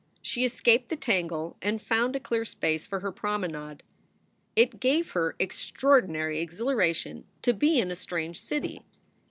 She escaped the tangle and found a clear space for her promenade. It gave her extraordinary exhilaration to be in a strange city.